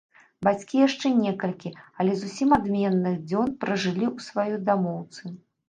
Бацькі яшчэ некалькі, але зусім адменных, дзён пражылі ў сваёй дамоўцы.